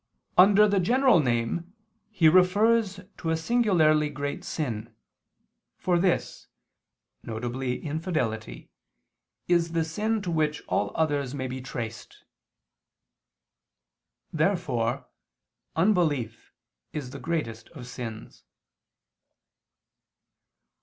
"Under the general name, He refers to a singularly great sin. For this," viz. infidelity, "is the sin to which all others may be traced." Therefore unbelief is the greatest of sins.